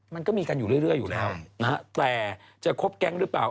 มันก็มีกันอยู่เรื่อยอยู่แล้วนะฮะแต่จะครบแก๊งหรือเปล่า